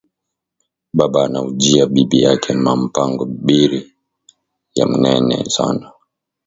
Baba anaujiya bibi yake ma mpango mbiri ya munene sana